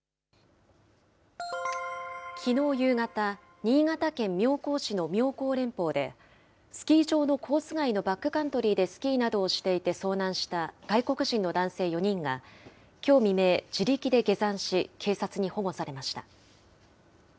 きのう夕方、新潟県妙高市の妙高連峰で、スキー場のコース外のバックカントリーでスキーなどをしていて遭難した外国人の男性４人がきょう未明、自力で下山し、警察に保護されました。